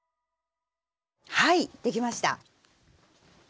はいできました。